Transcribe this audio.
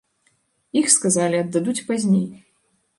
Іх, сказалі, аддадуць пазней.